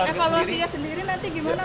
evaluasi sendiri nanti gimana